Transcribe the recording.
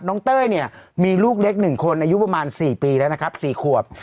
เต้ยเนี่ยมีลูกเล็ก๑คนอายุประมาณ๔ปีแล้วนะครับ๔ขวบ